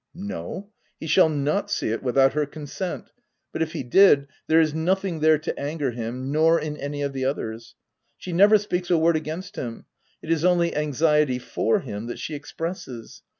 " No, he shall not see it without her con sent ; but if he did, there is nothing there to anger him — nor in any of the others. She never speaks a word against him; it is only anxiety for him that she expresses.